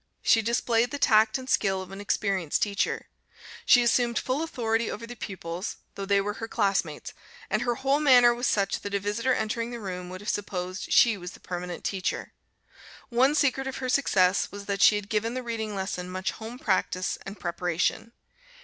She displayed the tact and skill of an experienced teacher. She assumed full authority over the pupils (though they were her classmates), and her whole manner was such that a visitor entering the room would have supposed she was the permanent teacher. One secret of her success was that she had given the reading lesson much home practice and preparation.